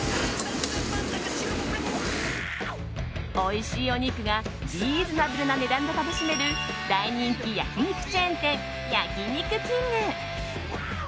おいしいお肉がリーズナブルな値段で楽しめる大人気焼き肉チェーン店焼肉きんぐ。